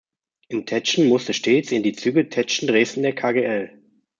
In Tetschen musste stets in die Züge Tetschen–Dresden der Kgl.